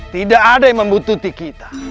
tidak ada yang membutuhkan kita